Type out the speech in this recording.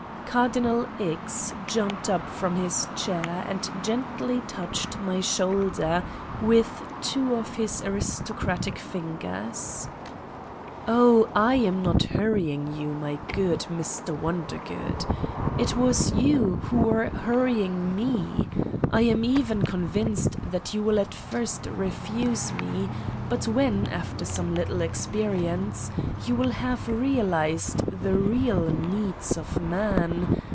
Cardinal X. jumped up from his chair and gently touched my shoulder with two of his aris tocratic fingers : "Oh, I am not hurrying you, my good Mr. Won dergood. It was you who were hurrying me. I am even convinced that you will at first refuse me, but when, after some little experience, you will have realized the real needs of man